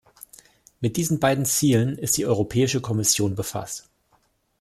Mit diesen beiden Zielen ist die Europäische Kommission befasst.